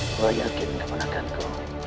pernah yakin ke manakanku